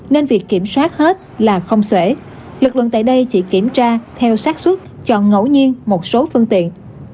nên việc kiểm soát hết là không xuễ lực lượng tại đây chỉ kiểm tra theo sát xuất cho ngẫu nhiên một số phương tiện